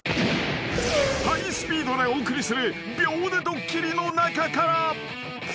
［ハイスピードでお送りする秒でドッキリの中から］